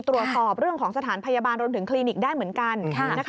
ตรวจสอบเรื่องของสถานพยาบาลรวมถึงคลินิกได้เหมือนกัน